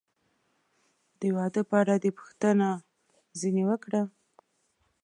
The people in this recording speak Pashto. د واده په اړه دې پوښتنه نه ځنې وکړه؟